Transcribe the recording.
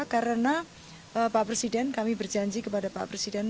karena pak presiden kami berjanji kepada pak presiden